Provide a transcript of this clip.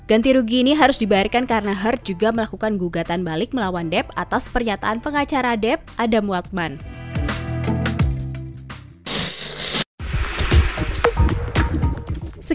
ganti rugi ini harus dibayarkan karena heard juga melakukan gugatan balik nilai